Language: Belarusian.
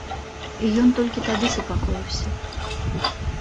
І ён толькі тады супакоіўся.